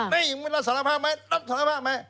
นี่รับสารภาพไหมรับสารภาพไหม